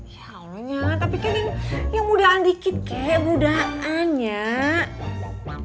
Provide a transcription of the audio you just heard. ya allah tapi kan yang mudahan dikit kayak mudahannya